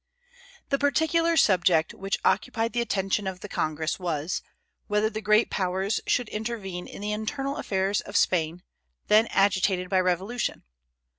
The particular subject which occupied the attention of the Congress was, whether the great Powers should intervene in the internal affairs of Spain, then agitated by revolution.